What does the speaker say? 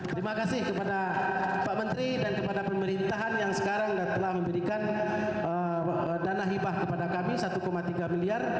terima kasih kepada pak menteri dan kepada pemerintahan yang sekarang telah memberikan dana hibah kepada kami rp satu tiga miliar